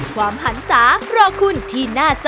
ความหันศารอคุณที่หน้าจอ